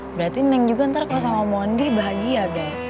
berarti neng juga ntar kalau sama mondi bahagia deh